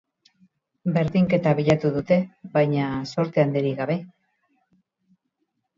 Berdinketa bilatu dute, baina zorte handirik gabe.